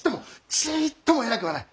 ちっとも偉くはない。